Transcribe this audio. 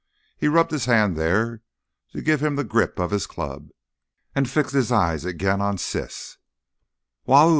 He rubbed his hand there to give him the grip of his club, and fixed his eyes again on Siss.